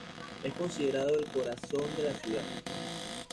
Es considerado el corazón de la ciudad.